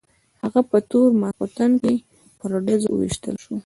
هغه په تور ماخستن کې په ډزو وویشتل شو.